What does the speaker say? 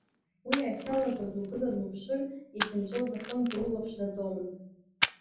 Уи ахьалагоз угылан уԥшыр иахьынҵәоз аҟынӡа улаԥш наӡомызт.